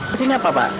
kesini apa pak